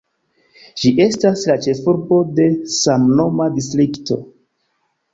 Ĝi estas la ĉefurbo de samnoma distrikto.